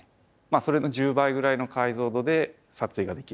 それの１０倍ぐらいの解像度で撮影ができるカメラになります。